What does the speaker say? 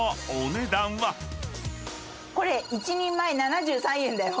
これ１人前７３円だよ。